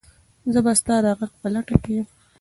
زه به ستا د غږ په لټه کې یم.